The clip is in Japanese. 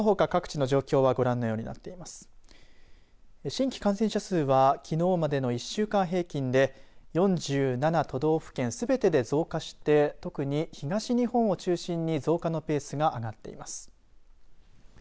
新規感染者数はきのうまでの１週間平均で４７都道府県すべてで増加して特に東日本を中心に増加のペースが上がっています。